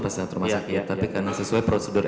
pas di rumah sakit tapi karena sesuai prosedur